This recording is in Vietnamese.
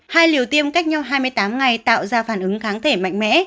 hai liều tiêm cách nhau hai mươi tám ngày tạo ra phản ứng kháng thể mạnh mẽ